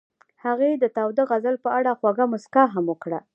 هغې د تاوده غزل په اړه خوږه موسکا هم وکړه.